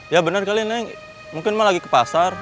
ya benar kali ya neng mungkin emak lagi ke pasar